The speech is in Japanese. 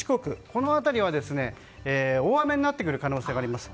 この辺りは、大雨になってくる可能性があります。